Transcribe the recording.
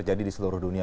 terjadi di seluruh dunia